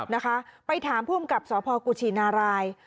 นะคะไปถามผู้อำกับสภกชินารายย์